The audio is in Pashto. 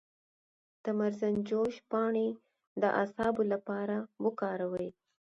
د مرزنجوش پاڼې د اعصابو لپاره وکاروئ